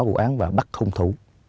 vụ án và bắt không thủ